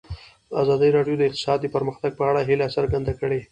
ازادي راډیو د اقتصاد د پرمختګ په اړه هیله څرګنده کړې.